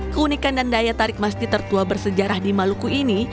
keunikan dan daya tarik masjid tertua bersejarah di maluku ini